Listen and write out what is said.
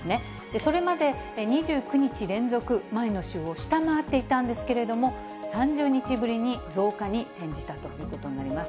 それまで２９日連続、前の週を下回っていたんですけれども、３０日ぶりに増加に転じたということになります。